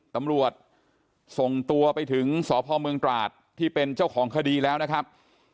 ตำรวจส่งตัวไปถึงสพเมืองตราดที่เป็นเจ้าของคดีแล้วนะครับ